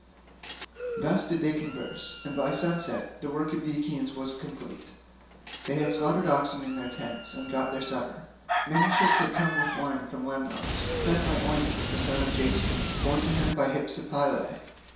Thus did they converse, and by sunset the work of the Achaeans was completed; they then slaughtered oxen at their tents and got their supper. Many ships had come with wine from Lemnos, sent by Eueneus the son of Jason, born to him by Hypsipyle.